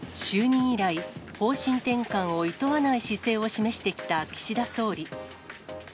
就任以来、方針転換をいとわない姿勢を示してきた岸田総理。